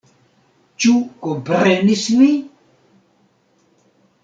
Ĉu komprenis vi?